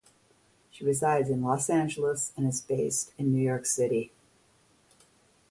She resides in Los Angeles and is based in New York City.